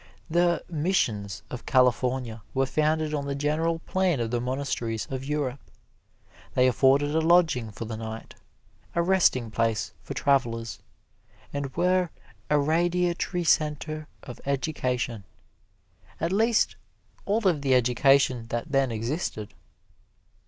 The "missions" of California were founded on the general plan of the monasteries of Europe. They afforded a lodging for the night a resting place for travelers and were a radiatory center of education at least all of the education that then existed.